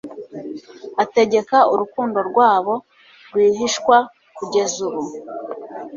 Ategeka urukundo rwabo rwihishwa kugeza ubu